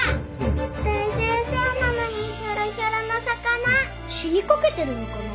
大先生なのにひょろひょろの「魚」死にかけてるのかな？